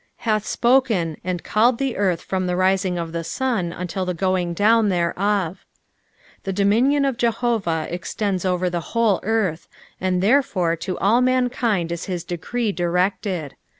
"Sath tpohen, and eaUed the earth from the riling of the tun vnlil the going doien thereqf.^' The dominion of Jehovah extends over the nhcic earth, and there fore to all mankind is bis decree directed.